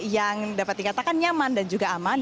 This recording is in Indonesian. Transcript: yang dapat dikatakan nyaman dan juga aman